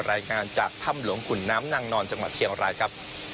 รายงานจากถ้ำหลวงขุนน้ำนางนอนจังหวัดเชียงรายครับ